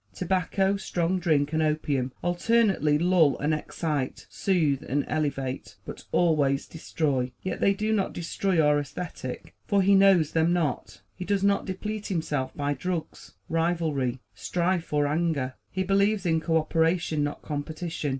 Tobacco, strong drink, and opium alternately lull and excite, soothe and elevate, but always destroy; yet they do not destroy our ascetic, for he knows them not. He does not deplete himself by drugs, rivalry, strife or anger. He believes in co operation, not competition.